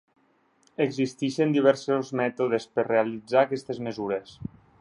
Existeixen diversos mètodes per realitzar aquestes mesures.